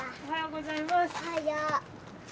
おはよう。